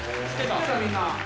みんな」